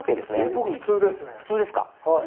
僕普通ですね。